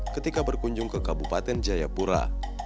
ketika berkunjung ke kabupaten jayapura